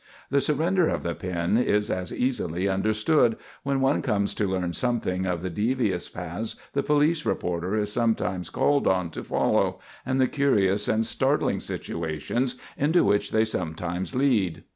The surrender of the pin is as easily understood, when one comes to learn something of the devious paths the police reporter is sometimes called on to follow, and the curious and startling situations into which they sometimes lead.